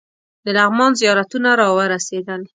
د لغمان زیارتونه راورسېدل.